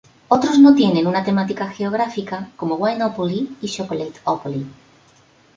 Otros no tienen una temática geográfica, como Wine-opoly y Chocolate-opoly.